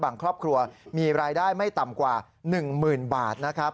ครอบครัวมีรายได้ไม่ต่ำกว่า๑๐๐๐บาทนะครับ